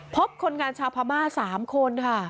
คนงานชาวพม่า๓คนค่ะ